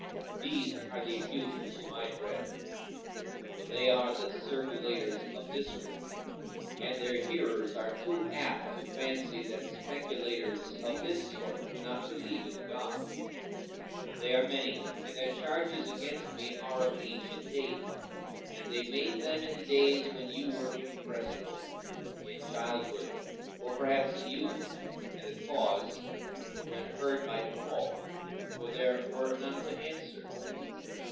These are the accusers whom I dread; for they are the circulators of this rumor, and their hearers are too apt to fancy that speculators of this sort do not believe in the gods. And they are many, and their charges against me are of ancient date, and they made them in days when you were impressible—in childhood, or perhaps in youth—and the cause when heard went by default, for there was none to answer.